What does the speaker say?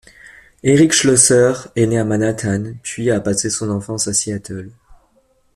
Eric Schlosser est né à Manhattan puis a passé son enfance à Seattle.